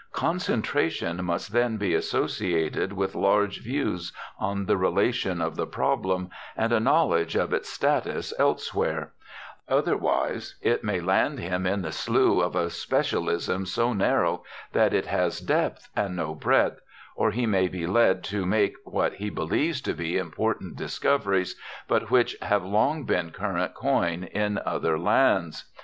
Concentration must then be associated with large views on the relation of the problem, and a knowledge of its status elsewhere; otherwise it may land him in the slough of a specialism so narrow that it has depth and no breadth, or he may be led to make what he believes to be important discoveries, but which have long been current coin in other lands.